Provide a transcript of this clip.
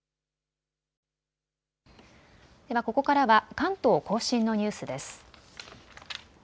ではここからは関東甲信のニュースです。